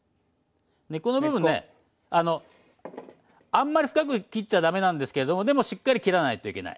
根っこの部分ねあんまり深く切っちゃ駄目なんですけどでもしっかり切らないといけない。